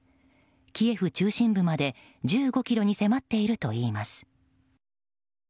キエフ中心部まで１５ｋｍに迫っているといいます。